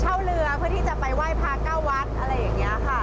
เข้าเรือเพื่อที่จะไปไหว้พระเก้าวัดอะไรอย่างนี้ค่ะ